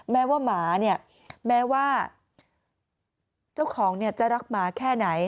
แม้ว่าหมาเนี่ยแม้ว่าเจ้าของจะรักหมาแค่ไหน